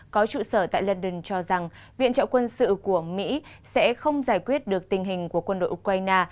có trụ sở tại london cho rằng viện trợ quân sự của mỹ sẽ không giải quyết được tình hình của quân đội ukraine